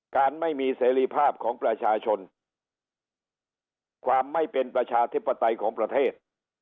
การไม่มีเสรีภาพของประชาชนความไม่เป็นประชาธิปไตยของประเทศ